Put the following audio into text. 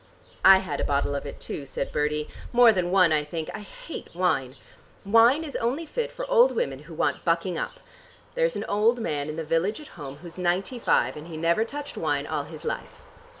"I had a bottle of it too," said Bertie. "More than one, I think. I hate wine. Wine is only fit for old women who want bucking up. There's an old man in the village at home who's ninety five, and he never touched wine all his life."